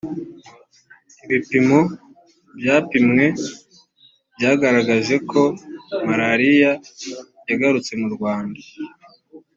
ibipimo byapimwe byagaragaje ko malariya yagarutse mu rwanda